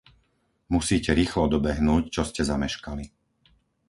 Musíte rýchlo dobehnúť, čo ste zameškali.